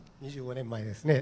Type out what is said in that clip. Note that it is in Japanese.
２５年前ですね。